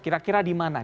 kira kira di mana